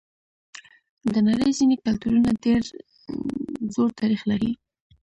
د نړۍ ځینې کلتورونه ډېر زوړ تاریخ لري.